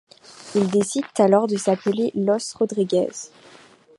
Ils décident alors de s'appeler Los Rodríguez.